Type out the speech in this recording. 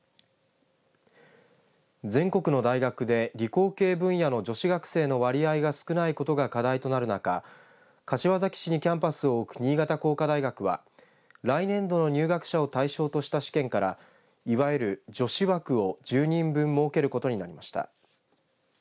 全国の大学で理工系分野の女子学生の割合が少ないことが課題となる中柏崎市にキャンパスを置く新潟工科大学は来年度の入学者を対象とした試験からいわゆる女子枠を１０人分設けることになりました。